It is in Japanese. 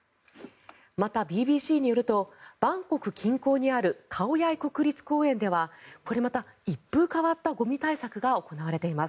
また、ＢＢＣによるとバンコク近郊にあるカオヤイ国立公園ではこれまた一風変わったゴミ対策が行われています。